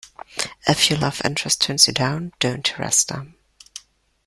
If your love interest turns you down, don't harass them.